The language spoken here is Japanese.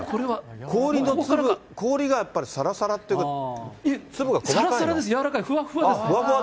氷がやっぱりさらさらっていうか、さらさらです、柔らかい、ふわふわだ。